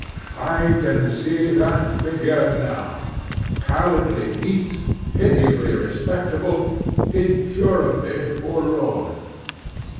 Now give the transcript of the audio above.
I can see that figure now—pallidly neat, pitiably respectable, incurably forlorn!